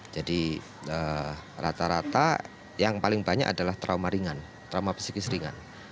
jadi rata rata yang paling banyak adalah trauma ringan trauma psikis ringan